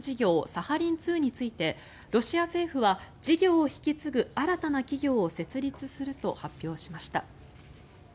サハリン２についてロシア政府は事業を引き継ぐ新たな企業を設立すると発表しました。